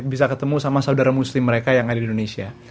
bisa ketemu sama saudara muslim mereka yang ada di indonesia